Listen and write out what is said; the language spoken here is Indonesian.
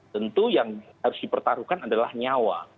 tentu yang harus dipertaruhkan adalah nyawa